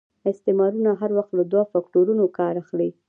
استعمارونه هر وخت له دوه فکټورنو کار اخلي.